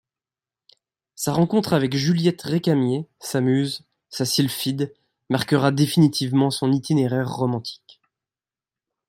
Sa rencontre avec Juliette Récamier, sa muse, sa sylphide, marquera définitivement son itinéraire romantique.